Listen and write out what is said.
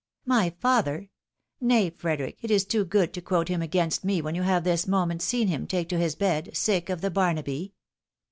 " My father ? Nay, Frederic, it is too good to quote him against me when you have this moment seen him take to his bed, sick of the Barnaby